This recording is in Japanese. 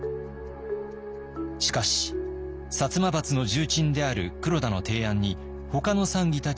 しかし摩閥の重鎮である黒田の提案に他の参議たちが賛同。